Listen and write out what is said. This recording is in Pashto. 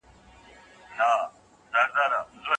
ملي ګټې له هر څه لوړې دي.